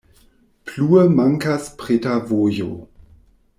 Plue mankas preta vojo.